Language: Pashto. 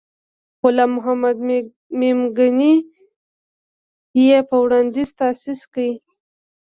غلام محمد میمنګي یې په وړاندیز تأسیس کړ.